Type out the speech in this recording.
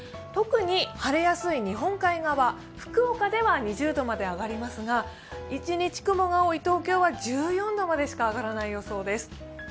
特に、晴れやすい日本海側福岡では２０度まで上がりますが一日雲が多い東京は１４度までしか上がらない予想です。